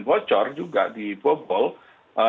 bocor juga di bubble